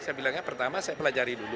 saya bilangnya pertama saya pelajari dulu